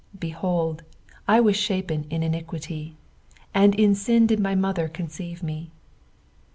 5 Behold, I was shapen in iniquity ; and in sin did my mother conceive me.